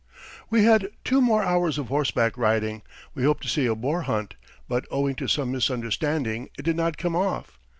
We had two more hours of horseback riding we hoped to see a boar hunt, but owing to some misunderstanding, it did not come off.